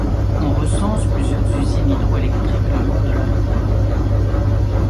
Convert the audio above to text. On recense plusieurs usines hydroélectriques le long de la rivière.